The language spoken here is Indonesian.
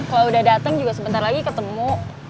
kalo udah dateng juga sebentar lagi ketemu